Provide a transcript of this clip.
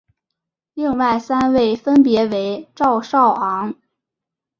另外三位分别为赵少昂。